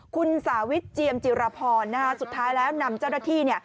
คุณสาวิทเจียมจิรพรสุดท้ายแล้วนำเจ้าหน้าที่